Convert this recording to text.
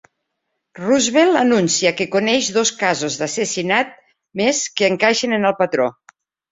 Roosevelt anuncia que coneix dos casos d'assassinat més que encaixen en el patró.